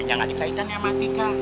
jangan dikaitkan sama adika